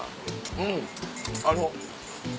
うんあの。